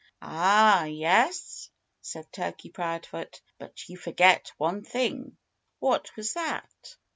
"Ah, yes?" said Turkey Proudfoot. "But you forgot one thing." "What was that?"